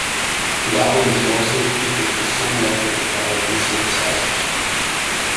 The album is mostly acoustic with some electric guitar and synthesizers.